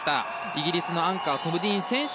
イギリスのアンカートム・ディーン選手